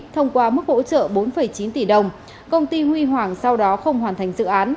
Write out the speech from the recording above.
thông qua mức hỗ trợ bốn chín tỷ đồng công ty huy hoàng sau đó không hoàn thành dự án